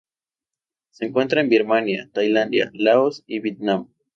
Se encuentra en Birmania, Tailandia, Laos y Vietnam.